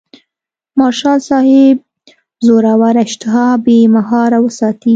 مارشال صاحب زوروره اشتها بې مهاره وساتي.